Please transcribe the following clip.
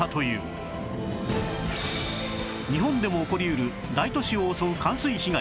日本でも起こり得る大都市を襲う冠水被害